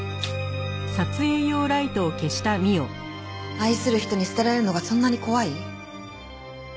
愛する人に捨てられるのがそんなに怖い？